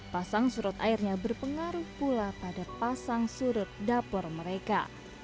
pasang surut airnya berpengaruh pula pada pasang surut dapur mereka